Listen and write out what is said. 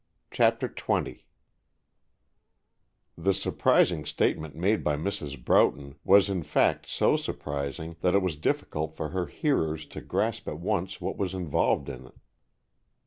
CHAPTER XX THE surprising statement made by Mrs. Broughton was in fact so surprising that it was difficult for her hearers to grasp at once what was involved in it.